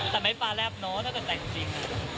ทำไมป่าแล้วน้องถ้าแต่งจริง